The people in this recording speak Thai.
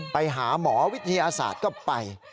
ไปหาหมอวิทยาศาสตร์ก็ไป